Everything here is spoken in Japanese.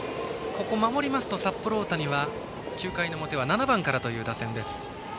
ここを守りますと札幌大谷は９回表は７番からという打線。